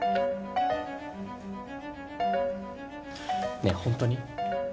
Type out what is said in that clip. ねえホントに？